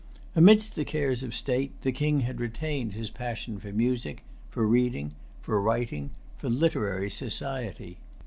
Amidst the cares of state the King had retained his passion for music, for reading, for writing, for literary society.